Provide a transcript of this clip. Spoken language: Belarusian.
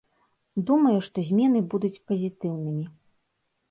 Думаю, што змены будуць пазітыўнымі.